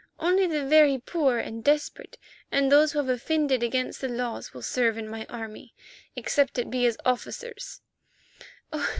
Only the very poor and the desperate, and those who have offended against the laws will serve in my army, except it be as officers.